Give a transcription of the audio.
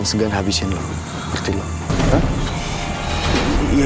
saya pamit dulu ya bang ya